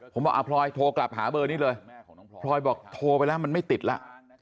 ผมบอกพลอยโทรกลับหาเบอร์นี้เลยพลอยบอกโทรไปแล้วมันไม่ติดแล้ว